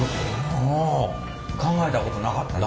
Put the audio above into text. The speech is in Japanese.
考えたことなかったね。